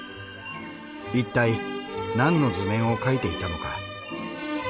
一体何の図面を描いていたのか。